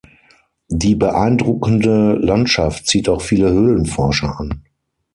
Die beeindruckende Landschaft zieht auch viele Höhlenforscher an.